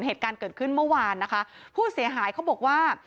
เหตุการณ์เกิดขึ้นเมื่อวานนะคะผู้เสียหายเขาบอกว่า